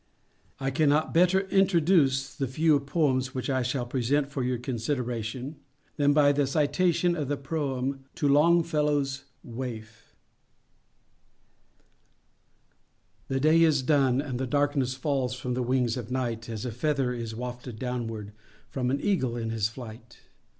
I cannot better introduce the few poems which I shall present for your consideration, than by the citation of the Proem to Longfellow's "Waif":— The day is done, and the darkness Falls from the wings of Night, As a feather is wafted downward From an Eagle in his flight.